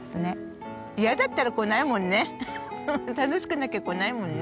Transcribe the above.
嫌だったら来ないもんね楽しくなきゃ来ないもんね。